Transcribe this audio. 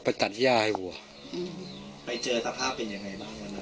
ไปตัดหญ้าให้หัวไปเจอสภาพเป็นยังไงบ้าง